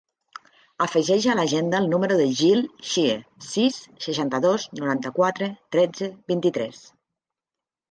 Afegeix a l'agenda el número del Gil Xie: sis, seixanta-dos, noranta-quatre, tretze, vint-i-tres.